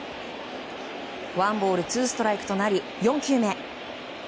ワンボールツーストライクとなり４球目。